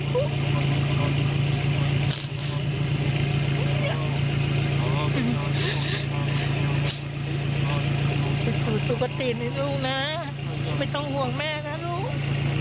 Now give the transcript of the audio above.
ไปสู่สุขตินะลูกนะไม่ต้องห่วงแม่นะลูก